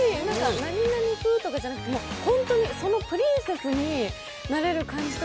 何々風とかじゃなくて、もう本当にそのプリンセスになれる感じで。